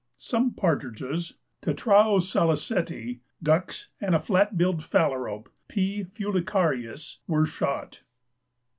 Some partridges (tetrao saliceti), ducks, and a flat billed phalarope (P. fulicarius) were shot.